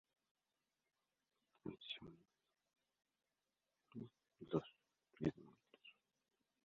Es un tema pop, rápido, que comienza con un riff bajo.